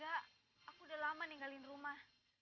ya aku udah lama ninggalin rumah